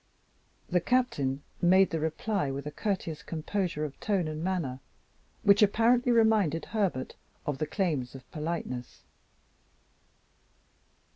The Captain made the reply with a courteous composure of tone and manner which apparently reminded Herbert of the claims of politeness.